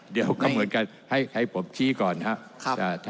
เดี๋ยวก็เหมือนกันให้ผมชี้ก่อนครับ